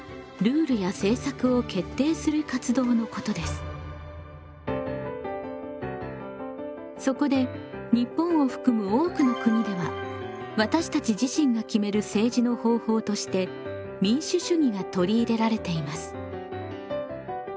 つまりそこで日本を含む多くの国では私たち自身が決める政治の方法として民主主義が取り入れられています。